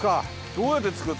どうやって作る？